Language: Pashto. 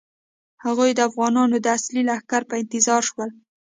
هغوی د افغانانو د اصلي لښکر په انتظار شول.